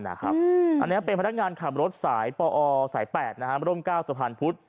อันนี้เป็นพนักงานขับรถสายปอสาย๘ร่ม๙สะพานพุธ